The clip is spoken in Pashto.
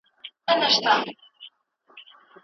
که اوبه پاکې وي نو نس نه دردیږي.